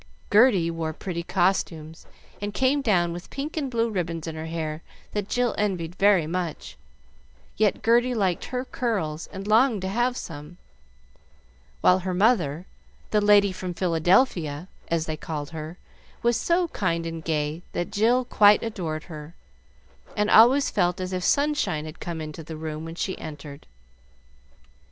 Gerty wore pretty costumes, and came down with pink and blue ribbons in her hair that Jill envied very much; yet Gerty liked her curls, and longed to have some, while her mother, "the lady from Philadelphia," as they called her, was so kind and gay that Jill quite adored her, and always felt as if sunshine had come into the room when she entered.